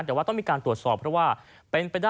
แต่ว่ามีการตรวจสอบเพราะว่า